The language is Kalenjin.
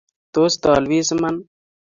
Tos tolbis iman?